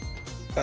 あ！